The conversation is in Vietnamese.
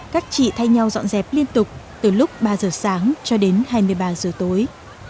các chị thay nhau dọn dẹp liên tục từ lúc ba giờ sáng cho đến hai mươi ba giờ tối